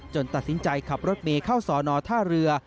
ตัดสินใจขับรถเมย์เข้าสอนอท่าเรือ